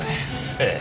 ええ。